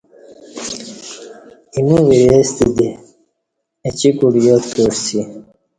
ایمو وری ستہ دی اچی کوٹ یاد دی کعسی